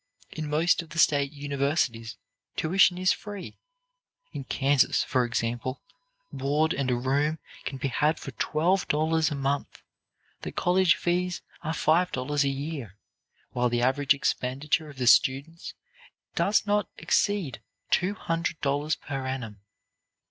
In most of the state universities tuition is free. In Kansas, for example, board and a room can be had for twelve dollars a month; the college fees are five dollars a year, while the average expenditure of the students does not exceed two hundred dollars per annum.